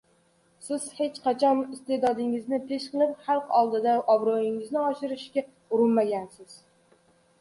Siz hech qachon iste’dodingizni pesh qilib xalq oldida obro‘ngizni oshirishga urinmagansiz